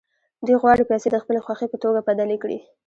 دوی غواړي پیسې د خپلې خوښې په توکو بدلې کړي